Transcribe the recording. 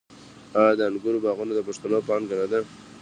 آیا د انګورو باغونه د پښتنو پانګه نه ده؟